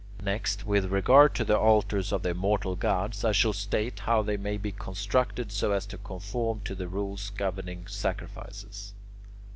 Next, with regard to the altars of the immortal gods, I shall state how they may be constructed so as to conform to the rules governing sacrifices.